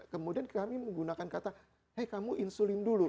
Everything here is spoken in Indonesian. kemudian kami menggunakan kata hei kamu insulin dulu